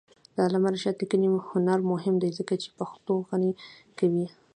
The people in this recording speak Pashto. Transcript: د علامه رشاد لیکنی هنر مهم دی ځکه چې پښتو غني کوي.